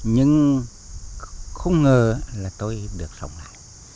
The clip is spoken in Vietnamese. nhưng không ngờ là tôi được sống lại